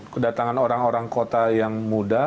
kedatangan orang orang kota yang muda